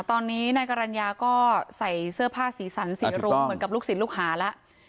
ตอนนี้นายกรรณญาก็ใส่เสื้อผ้าสีสันสีรุ้งเหมือนกับลูกศิษย์ลูกหาแล้ว